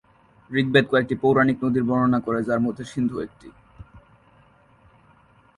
ঋগ্বেদ কয়েকটি পৌরাণিক নদীর বর্ণনা করে, যার মধ্যে "সিন্ধু" একটি।